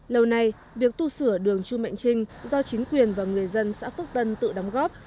lâu nay việc tu sửa đường chu mạnh trinh do chính quyền và người dân xã phước tân tự đóng góp